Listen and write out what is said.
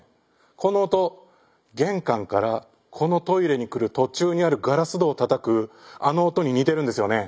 この音玄関からこのトイレに来る途中にあるガラス戸をたたくあの音に似てるんですよね。